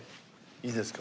いいですか？